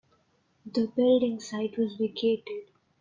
The building site was vacated.